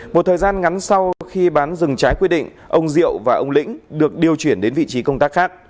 một thời gian ngắn sau khi bán rừng trái quy định ông diệu và ông lĩnh được điều chuyển đến vị trí công tác khác